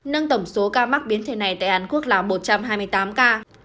nâng tổng số ca mắc biến thể này tại hàn quốc là một trăm hai mươi tám ca